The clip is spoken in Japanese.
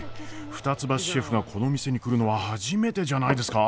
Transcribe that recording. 二ツ橋シェフがこの店に来るのは初めてじゃないですか？